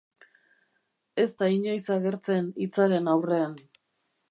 Ez da inoiz agertzen hitzaren aurrean.